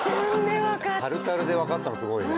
タルタルでわかったのすごいね。